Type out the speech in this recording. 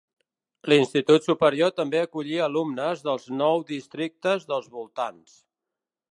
L'institut superior també acollia alumnes dels nou districtes dels voltants.